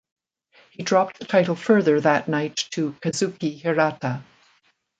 He dropped the title further that night to Kazuki Hirata.